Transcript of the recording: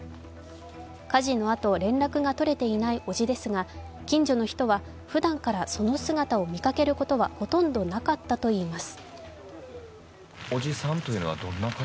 火事のあと、連絡が取れていないおじですが、近所の人は、ふだんからその姿を見かけることはほとんどなかったといいます。